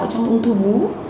trong ung thư vú